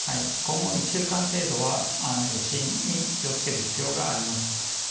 今後１週間程度は余震に気をつける必要があります。